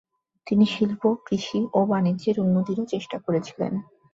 তিনি শিল্প, কৃষি ও বাণিজ্যের উন্নতিরও চেষ্টা করেছিলেন।